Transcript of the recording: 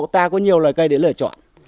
vì họ ta có nhiều loài cây để lựa chọn